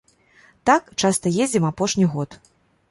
Так, часта ездзім апошні год.